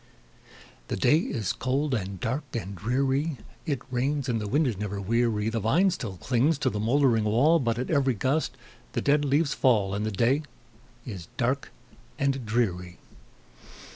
The day is cold, and dark, and dreary; It rains, and the wind is never weary; The vine still clings to the moldering wall, But at every gust the dead leaves fall, And the day is dark and dreary.